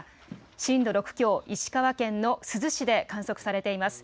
震度６強、石川県の珠洲市で観測されています。